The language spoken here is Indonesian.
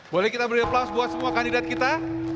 boleh kita beri aplaus buat semua kandidat kita